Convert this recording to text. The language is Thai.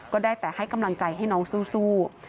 ก็ได้แต่ให้กำลังใจให้น้องสู้